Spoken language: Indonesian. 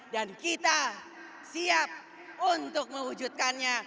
dan kita siap untuk mewujudkannya